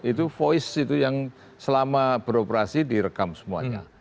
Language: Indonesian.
itu voice itu yang selama beroperasi direkam semuanya